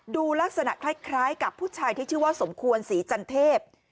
ดูลักษณะคล้ายกับผู้ชายที่ชื่อว่าสมควรศรีจันเทพ